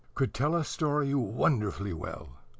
could tell a story wonderfully well.